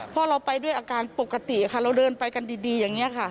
เพราะเราไปด้วยอาการปกติค่ะเราเดินไปกันดีอย่างนี้ค่ะ